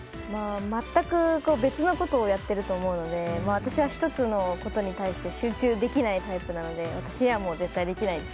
全く別のことをやってると思うので私は１つのことに対して集中できないタイプなので私には絶対できないです。